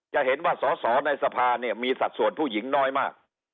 จะเห็นว่าสอสอในสภาเนี่ยมีสัดส่วนผู้หญิงน้อยมาก